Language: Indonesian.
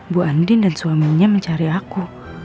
bu andin dan suaminya mencari aku